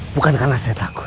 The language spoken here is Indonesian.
bukan karena saya takut